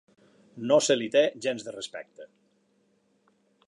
No se li té gens de respecte.